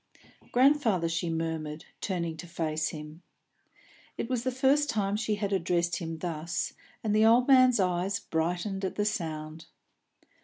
"Grandfather," she murmured, turning to face him. It was the first time she had addressed him thus, and the old man's eyes brightened at the sound.